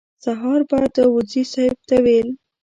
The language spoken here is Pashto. سهار به داوودزي صیب ته ویل.